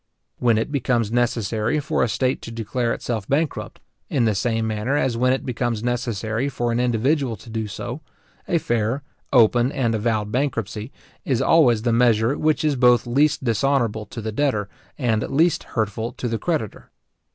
When it becomes necessary for a state to declare itself bankrupt, in the same manner as when it becomes necessary for an individual to do so, a fair, open, and avowed bankruptcy, is always the measure which is both least dishonourable to the debtor, and least hurtful to the creditor.